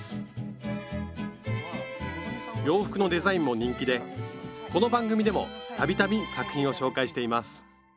洋服のデザインも人気でこの番組でも度々作品を紹介しています